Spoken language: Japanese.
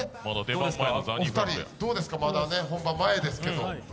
お二人、どうですか、まだ本番前ですけど。